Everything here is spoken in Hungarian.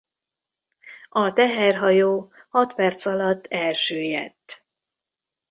A teherhajó hat perc alatt elsüllyedt.